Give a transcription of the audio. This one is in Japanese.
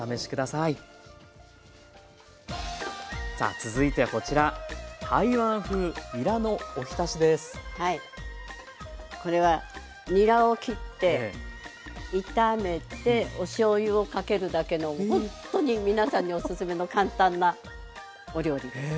さあ続いてはこちらはいこれはにらを切って炒めておしょうゆをかけるだけのほんとに皆さんにおすすめの簡単なお料理です。